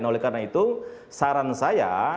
oleh karena itu saran saya